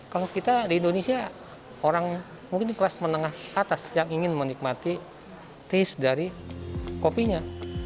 kalau kita di indonesia orang mungkin kelas menengah atas yang ingin menikmati taste dari kopinya